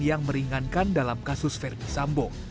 yang meringankan dalam kasus ferdi sambo